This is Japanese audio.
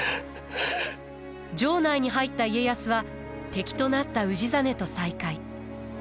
城内に入った家康は敵となった氏真と再会。